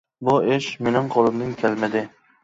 بۇ ئىش مىنىڭ قولۇمدىن كەلمىدى.